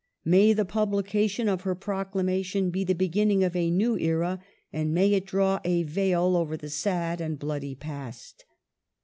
May the publication of her proclamation be the beginning of a new era, and may it draw a veil over the sad and bloody past."